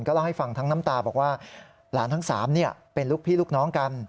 เล่าให้ฟังทั้งน้ำตาบอกว่าหลานทั้ง๓เป็นลูกพี่ลูกน้องกัน